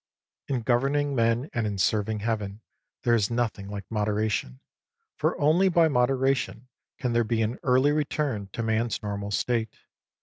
In governing men and in serving Heaven, there is nothing like moderation. For only by modera tion can there be an early return to man's normal state.